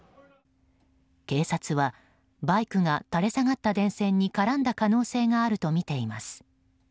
警察はバイクが垂れ下がった電線に絡んだ可能性があるとみています。